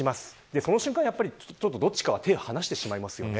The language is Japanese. その瞬間、どっちかは手を離してしまいますよね。